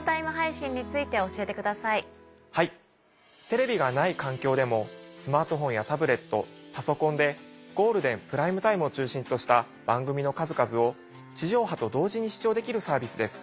テレビがない環境でもスマートフォンやタブレットパソコンでゴールデンプライムタイムを中心とした番組の数々を地上波と同時に視聴できるサービスです。